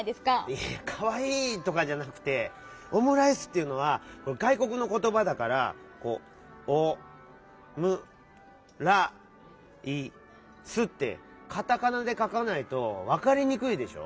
いやいや「かわいい」とかじゃなくて「オムライス」っていうのはがいこくのことばだから。ってカタカナでかかないとわかりにくいでしょ？